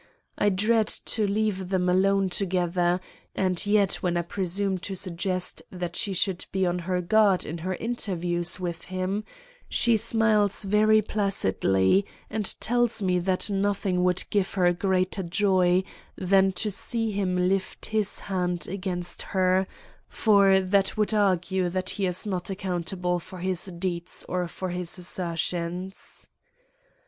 I dread to leave them alone together, and yet when I presume to suggest that she should be on her guard in her interviews with him, she smiles very placidly and tells me that nothing would give her greater joy than to see him lift his hand against her, for that would argue that he is not accountable for his deeds or for his assertions.